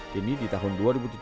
kini di tahun dua ribu tujuh belas